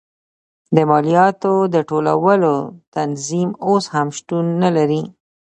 د مالیاتو د ټولولو تنظیم اوس هم شتون نه لري.